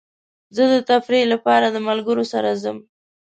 زه د تفریح لپاره د ملګرو سره ځم.